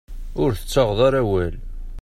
Ur tettaɣeḍ ara awal.